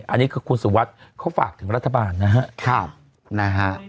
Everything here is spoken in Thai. อันนี้คือคุณสุวัสดิ์เขาฝากถึงรัฐบาลนะฮะ